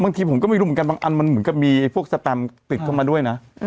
บางทีผมก็ไม่รู้เหมือนกันบางอันมันเหมือนกับมีพวกสแตมติดเข้ามาด้วยนะ